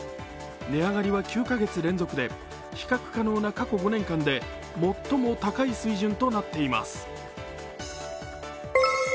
値上がりは９カ月連続で比較可能な過去５年間で最も高い水準となっています。